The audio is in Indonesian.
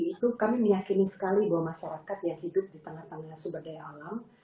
itu kami meyakini sekali bahwa masyarakat yang hidup di tengah tengah sumber daya alam